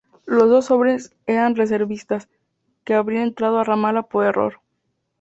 Los dos hombres eran reservistas, que habrían entrado a Ramala por error.